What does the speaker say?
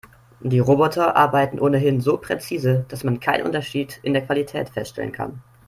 Die Roboter arbeiten ohnehin so präzise, dass man keinen Unterschied in der Qualität feststellen kann.